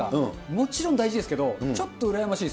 もちろん大事ですけど、ちょっとそうだね。